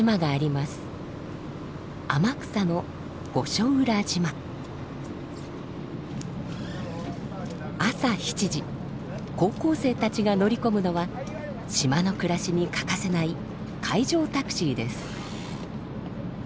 天草の朝７時高校生たちが乗り込むのは島の暮らしに欠かせない海上タクシーです。